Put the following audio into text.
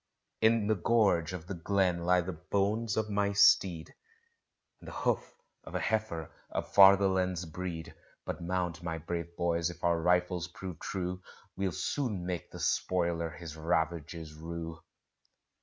In the gorge of the glen lie the bones of my steed, And the hoof of a heifer of fatherland's breed: But mount, my brave boys, if our rifles prove true, We'll soon make the spoiler his ravages rue.